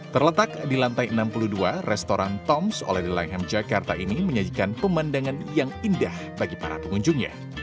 terletak di lantai enam puluh dua restoran tom s oleh the limeham jakarta ini menyajikan pemandangan yang indah bagi para pengunjungnya